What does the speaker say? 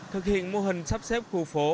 thực hiện mô hình sắp xếp khu phố